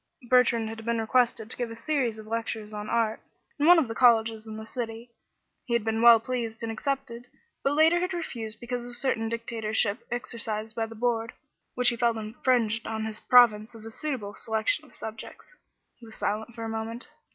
Bertrand had been requested to give a series of lectures on art in one of the colleges in the city. He had been well pleased and had accepted, but later had refused because of certain dictatorship exercised by the Board, which he felt infringed on his province of a suitable selection of subjects. He was silent for a moment.